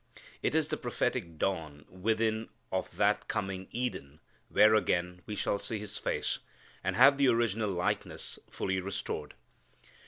It is the prophetic dawn within of that coming Eden when again we shall see His face, and have the original likeness fully restored.